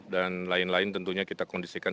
dan lain lain tentunya kita kondisikan